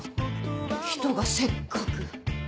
人がせっかく。